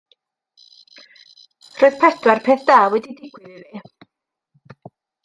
Roedd pedwar peth da wedi digwydd iddi.